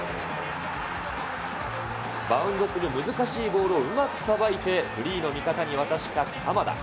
バウンドする難しいボールをうまくさばいて、フリーの味方に渡した鎌田。